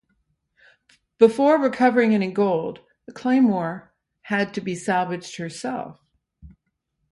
Before recovering any gold the "Claymore" had to be salvaged herself.